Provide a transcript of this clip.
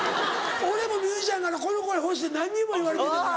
俺もミュージシャンならこの声欲しいって何人も言われてんねんから。